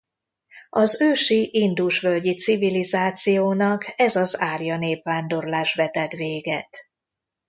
Az ősi Indus-völgyi civilizációnak ez az árja népvándorlás vetett véget.